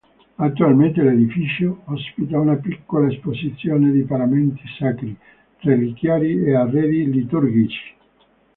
Attualmente l'edificio ospita una piccola esposizione di paramenti sacri, reliquiari e arredi liturgici.